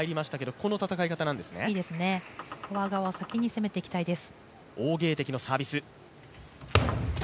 いいですよね、フォア側は先に攻めていきたいです。